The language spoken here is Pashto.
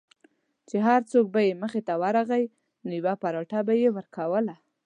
چې هر څوک به مخې ته ورغی نو یوه پراټه به یې ورکوله.